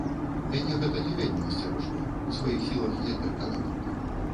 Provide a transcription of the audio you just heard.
Мяне гэта не вельмі насцярожвае, у сваіх сілах я перакананы.